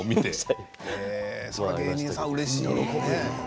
芸人さん、うれしいよね。